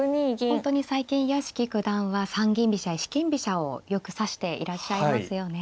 本当に最近屋敷九段は三間飛車四間飛車をよく指していらっしゃいますよね。